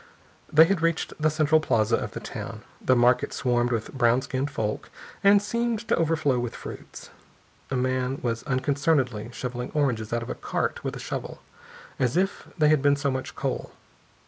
They had reached the central plaza of the town. The market swarmed with brown skinned folk and seemed to overflow with fruits. A man was unconcernedly shoveling oranges out of a cart with a shovel, as if they had been so much coal.